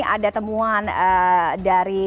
ada temuan dari